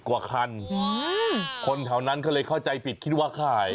กว่าคันคนแถวนั้นก็เลยเข้าใจผิดคิดว่าขาย